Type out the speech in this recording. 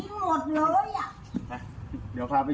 กินรูปเยอะแยะแล้วมันก็ตาย